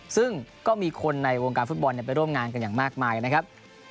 ซึ่งก็มีคนในวงการฟุตบอลไปร่วมงานกันอย่างมากมายนะครับ